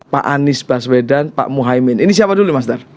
pak anies baswedan pak muhaimin ini siapa dulu ya masdar